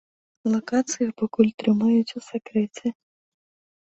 Лакацыю пакуль трымаюць у сакрэце.